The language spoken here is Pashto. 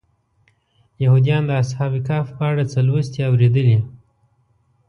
یهودیان د اصحاب کهف په اړه څه لوستي یا اورېدلي.